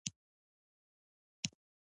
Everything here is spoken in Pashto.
یوټوبر دې د مرکه شریک مهرباني ونه ګڼي.